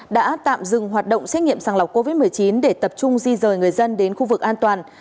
đã tạm dừng hoạt động xét nghiệm sàng lọc covid một mươi chín để tập trung di rời người dân đến khu vực an toàn